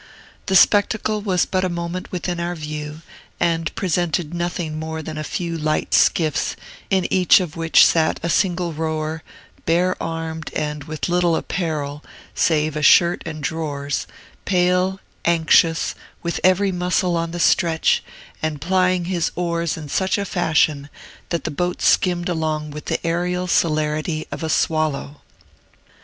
The spectacle was but a moment within our view, and presented nothing more than a few light skiffs, in each of which sat a single rower, bare armed, and with little apparel, save a shirt and drawers, pale, anxious, with every muscle on the stretch, and plying his oars in such fashion that the boat skimmed along with the aerial celerity of a swallow.